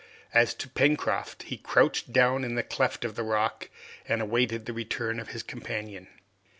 As to Pencroft, he crouched down in a cleft of the rock, and awaited the return of his companion.